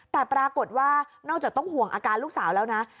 แต่ปรากฏว่านอกจากต้องห่วงอาการลูกสาวแล้วนะ